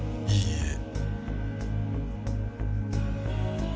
いいえ。